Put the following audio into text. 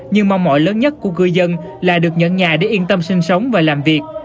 nhưng mong mỏi lớn nhất của cư dân là được nhận nhà để yên tâm sinh sống và làm việc